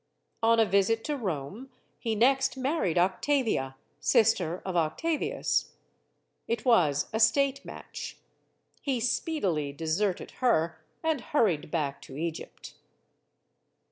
On a visit to Rome he next married Octavia, sister of Octavius. It was a state match. He speedily deserted her and hurried back to Egypt.